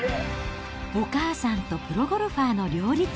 お母さんとプロゴルファーの両立。